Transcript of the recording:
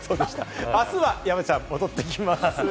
あすは山ちゃん戻ってきます。